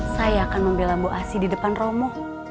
saya akan membela mbok asy di depan romo